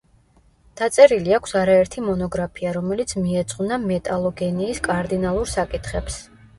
დაწერილი აქვს არაერთი მონოგრაფია, რომელიც მიეძღვნა მეტალოგენიის კარდინალურ საკითხებს.